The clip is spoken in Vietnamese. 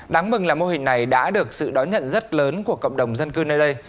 đáng mừng là mô hình này đã được sự đón nhận rất lớn của cộng đồng dân cư nơi đây